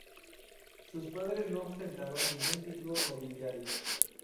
Sus padres no ostentaron ningún título nobiliario.